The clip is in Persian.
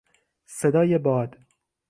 صدای باد